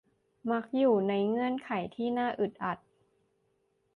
มักอยู่ในเงื่อนไขที่น่าอึดอัด